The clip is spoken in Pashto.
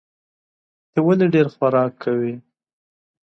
ته ولي ډېر خوراک کوې؟